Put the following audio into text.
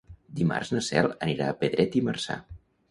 Dimarts na Cel anirà a Pedret i Marzà.